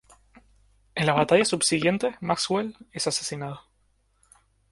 En la batalla subsiguiente, Maxwell es asesinado.